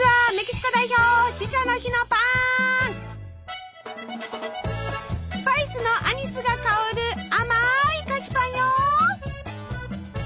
スパイスのアニスが香る甘い菓子パンよ！